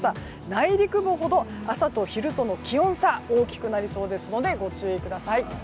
内陸部ほど朝と昼との気温差が大きくなりそうですのでご注意ください。